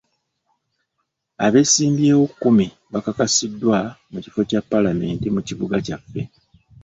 Abeesimbyewo kkumi bakakasiddwa ku kifo kya paalamenti mu kibuga kyaffe.